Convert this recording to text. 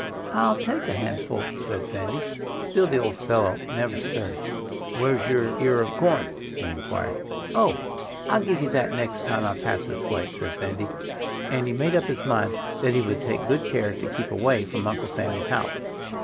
"I'll take a handful," said Sandy. Still the old fellow never stirred. "Where's your ear of corn?" he inquired. "Oh! I'll give you that the next time I pass this way," said Sandy. And he made up his mind that he would take good care to keep away from Uncle Sammy's house.